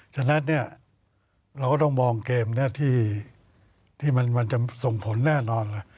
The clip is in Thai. ฉะนั้นเราก็ต้องมองเกมที่มันจะส่งผลแน่นอนล่ะ